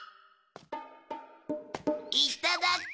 いただき！